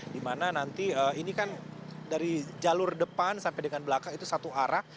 dimana nanti ini kan dari jalur depan sampai dengan belakang itu satu arah